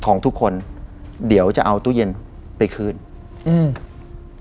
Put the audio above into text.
ของทุกคนเดี๋ยวจะเอาตู้เย็นไปคืนอืม